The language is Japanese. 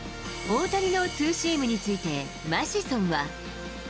大谷のツーシームについて、マシソンは。